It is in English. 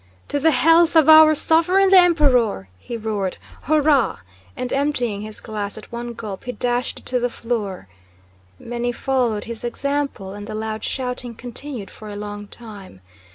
"To the health of our Sovereign, the Emperor!" he roared, "Hurrah!" and emptying his glass at one gulp he dashed it to the floor. Many followed his example, and the loud shouting continued for a long time.